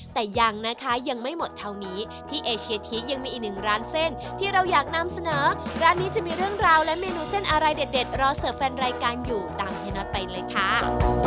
แต่ยังนะคะยังไม่หมดเท่านี้ที่เอเชียทียังมีอีกหนึ่งร้านเส้นที่เราอยากนำเสนอร้านนี้จะมีเรื่องราวและเมนูเส้นอะไรเด็ดรอเสิร์ฟแฟนรายการอยู่ตามเฮียน็อตไปเลยค่ะ